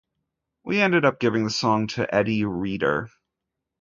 We ended up giving the song to Eddi Reader.